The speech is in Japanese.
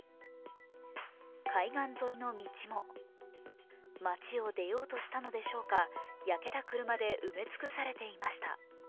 海岸沿いの道も街を出ようとしたのでしょうか焼けた車で埋め尽くされていました。